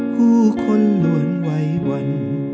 ผู้คนหลวนไหววัน